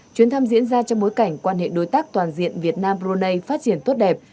chuyến thăm diễn ra trong bối cảnh quan hệ đối tác toàn diện việt nam brunei phát triển tốt đẹp